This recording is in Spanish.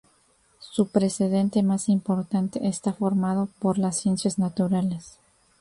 Su precedente más importante está formado por las ciencias naturales.